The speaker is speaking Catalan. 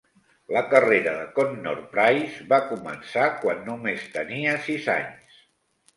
La carrera de Connor Price va començar quan només tenia sis anys.